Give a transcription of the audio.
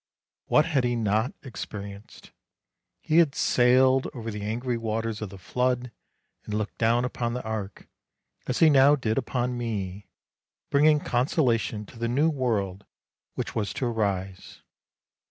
What had he not experi enced? He had sailed over the angry waters of the flood and looked down upon the ark, as he now did upon me, bringing consolation to the new world which was to arise.